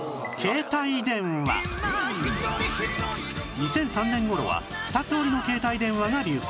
２００３年頃は２つ折りの携帯電話が流行